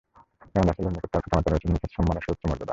কারণ রাসূলের নিকট তার পিতামাতার রয়েছে নিখাদ সম্মান ও সুউচ্চ মর্যাদা।